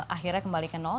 akhirnya kembali ke nol